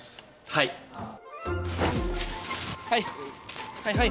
はいはいはい。